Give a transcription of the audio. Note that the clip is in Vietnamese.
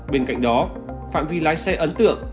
bên cạnh đó phạm vi lái xe ấn tượng